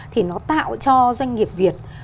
thì nó tạo cho doanh nghiệp việt